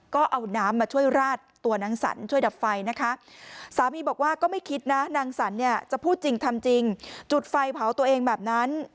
ก็เอาน้ำมาช่วยราดตัวนางสรรช่วยดับไฟนะคะสามีบอกว่าก็ไม่คิดนะนางสรรเนี่ยจะพูดจริงทำจริงจุดไฟเผาตัวเองแบบนั้น